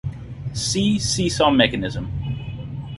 See seesaw mechanism.